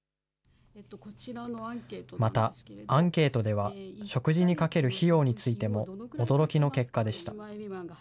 また、アンケートでは、食事にかける費用についても、驚きの結果でした。